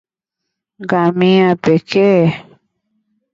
Ngamia pekee